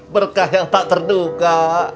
berkah yang tak terduka